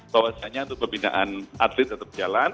bahwasannya untuk pembinaan atlet tetap jalan